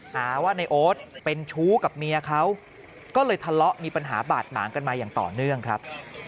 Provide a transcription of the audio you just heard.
หาว่าในโอ๊ตเป็นชู้กับเมียเขาก็เลยทะเลาะมีปัญหาบาดหมางกันมาอย่างต่อเนื่องครับ